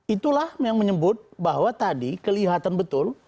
itulah yang menyebut bahwa tadi kelihatan betul